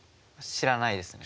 知らないですね。